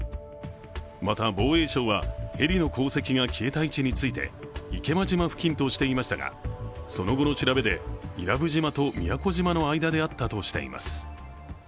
また、防衛省はヘリの航跡が消えた位置について池間島付近としていましたが、その後の調べで、伊良部島と宮古島の間であったとしています。